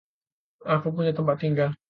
Aku punya tempat tinggal.